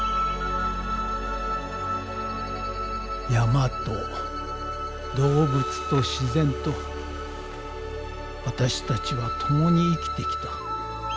山と動物と自然と私たちは共に生きてきた。